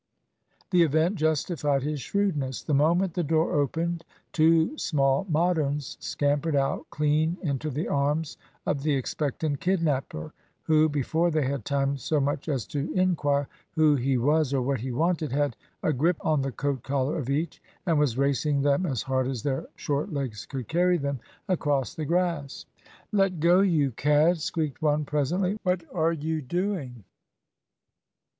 The event justified his shrewdness. The moment the door opened, two small Moderns scampered out clean into the arms of the expectant kidnapper, who before they had time so much as to inquire who he was or what he wanted, had a grip on the coat collar of each, and was racing them as hard as their short legs could carry them across the grass. "Let go, you cad!" squeaked one, presently. "What we you doing!"